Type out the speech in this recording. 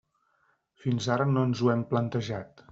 Fins ara no ens ho hem plantejat.